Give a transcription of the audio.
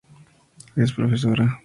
Es profesora.